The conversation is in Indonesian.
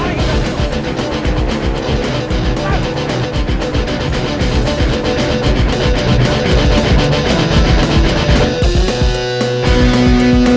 balikin dari situ